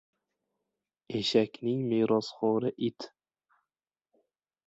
• Eshakning merosxo‘ri ― it.